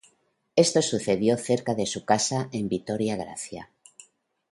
Esto sucedió cerca de su casa en Victoria Gracia.